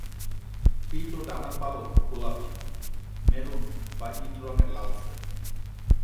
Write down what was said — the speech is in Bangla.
পিঠ ও ডানার পালক গোলাপী-মেরুন বা ইট রঙের লালচে।